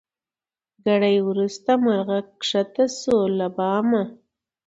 ګړی وروسته مرغه کښته سو له بامه